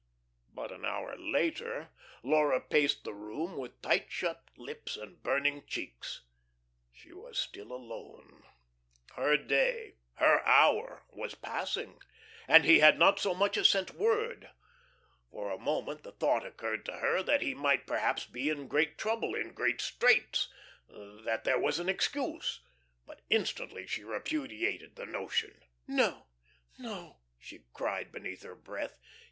But an hour later Laura paced the room with tight shut lips and burning cheeks. She was still alone; her day, her hour, was passing, and he had not so much as sent word. For a moment the thought occurred to her that he might perhaps be in great trouble, in great straits, that there was an excuse. But instantly she repudiated the notion. "No, no," she cried, beneath her breath.